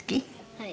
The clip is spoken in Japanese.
はい。